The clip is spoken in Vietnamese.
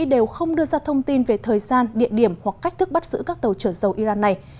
đều không đưa ra thông tin về thời gian địa điểm hoặc cách thức bắt giữ các tàu trở dầu iran này